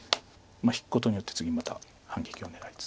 引くことによって次また反撃を狙いつつ。